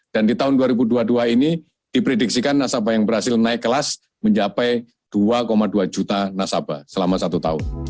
dan di tahun dua ribu dua puluh dua ini diprediksikan nasabah yang berhasil naikkelas mencapai dua dua juta nasabah selama satu tahun